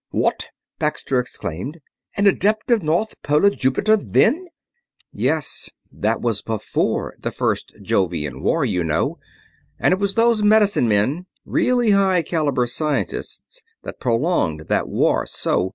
"What!" Baxter exclaimed. "An adept of North Polar Jupiter then?" "Yes. That was before the First Jovian War, you know, and it was those medicine men really high caliber scientists that prolonged that war so...."